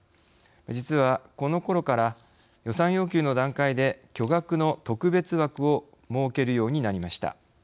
実は、この頃から予算要求の段階で巨額の特別枠を設けるようになりました。